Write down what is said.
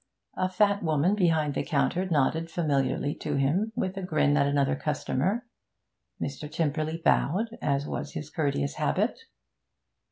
A fat woman behind the counter nodded familiarly to him, with a grin at another customer. Mr. Tymperley bowed, as was his courteous habit.